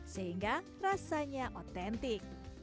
sehingga rasanya otentik